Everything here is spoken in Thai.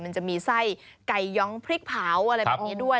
มันจะมีไส้ไก่ย้องพริกเผาอะไรแบบนี้ด้วย